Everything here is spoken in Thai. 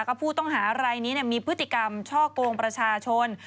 ก็ผู้ต้องหารายนี้มีพฤติกรรมช่อกงประชาชน